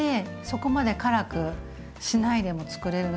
そこまで辛くしないでもつくれる。